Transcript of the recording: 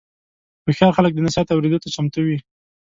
هوښیار خلک د نصیحت اورېدو ته چمتو وي.